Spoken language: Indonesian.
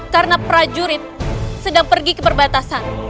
karena prajurit sedang pergi ke perbatasan